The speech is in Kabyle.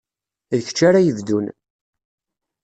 D kečč ara yebdun.